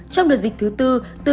trong đợt dịch thứ tư